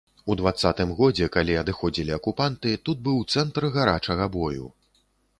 У дваццатым годзе, калі адыходзілі акупанты, тут быў цэнтр гарачага бою.